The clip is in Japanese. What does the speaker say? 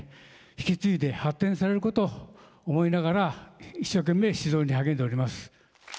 引き継いで発展されることを思いながら一生懸命指導に励んでおります。